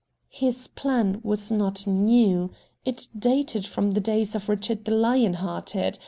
His plan was not new. It dated from the days of Richard the Lion hearted.